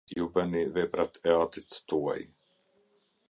Ju bëni veprat e atit tuaj".